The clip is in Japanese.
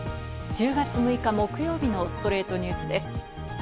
１０月６日、木曜日の『ストレイトニュース』です。